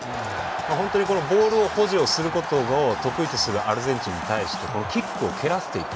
本当にボールを保持することを得意とするアルゼンチンに対してキックを蹴らせていく。